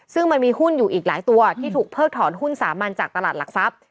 ซึ่งมันมีหุ้นอยู่อีกหลายตัวที่ถูกเพิกถอนหุ้นสามัญจากตลาดหลักทรัพย์